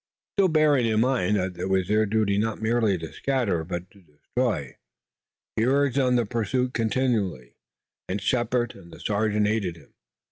Still bearing in mind that it was their duty not merely to scatter but to destroy, he urged on the pursuit continually, and Shepard and the sergeant aided him.